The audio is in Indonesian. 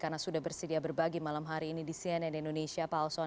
karena sudah bersedia berbagi malam hari ini di cnn indonesia pak alson